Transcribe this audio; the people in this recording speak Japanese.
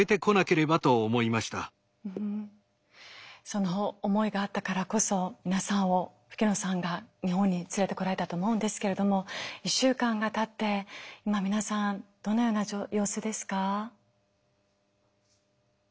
その思いがあったからこそ皆さんを吹野さんが日本に連れてこられたと思うんですけれども１週間がたって今皆さんどのような様子ですか？